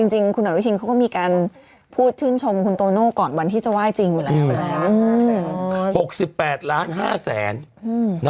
จริงจริงถูกมีการพูดเชื่อมคุณโตรน่อ